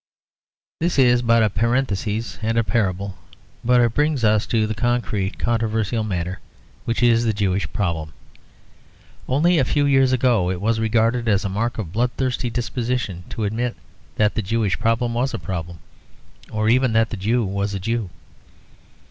This is but a parenthesis and a parable, but it brings us to the concrete controversial matter which is the Jewish problem. Only a few years ago it was regarded as a mark of a blood thirsty disposition to admit that the Jewish problem was a problem, or even that the Jew was a Jew.